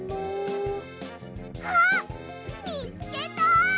あっみつけた！